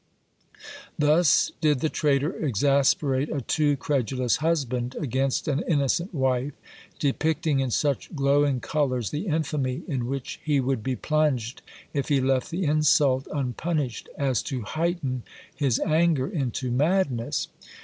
Thus did the traitor exasperate a too credulous husband against an innocent wife; depicting in such glowing colours the infamy in which he would be plunged if he left the insult unpunished, as to heighten his anger into madness.